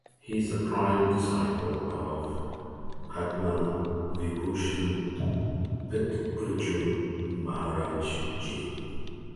He is the prime disciple of Padma Vibhushan Pt Birju Maharaj Ji.